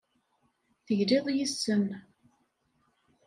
Tegliḍ yes-sen.